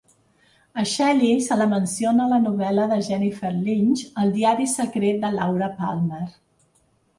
A Shelly se la menciona a la novel·la de Jennifer Lynch "El Diari Secret de Laura Palmer".